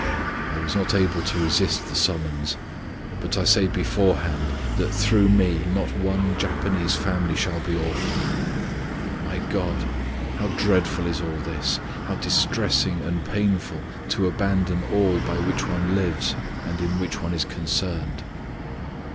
I was not able to resist the summons, but I say beforehand that through me not one Japanese family shall be orphaned. My God! how dreadful is all this how distressing and painful to abandon all by which one lives and in which one is concerned."